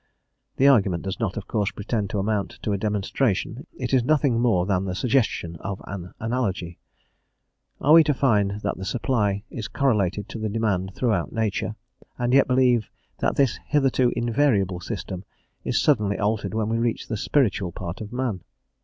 The argument does not, of course, pretend to amount to a demonstration; it is nothing more than the suggestion of an analogy. Are we to find that the supply is correlated to the demand throughout nature, and yet believe that this hitherto invariable system is suddenly altered when we reach the spiritual part of man?